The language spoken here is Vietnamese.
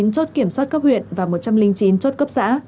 một mươi chín chốt kiểm soát cấp huyện và một trăm linh chín chốt cấp xã